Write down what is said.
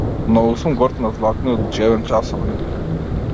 Многу сум горд на златниот џебен часовник.